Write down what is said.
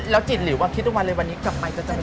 แล้วจิตริวว่าคิดทุกวันเลยวันนี้กลับไปจะเจออะไร